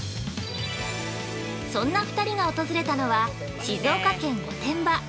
そんな２人が訪れたのは静岡県御殿場。